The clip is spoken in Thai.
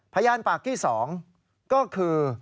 พยานปากที่๒ก็คือ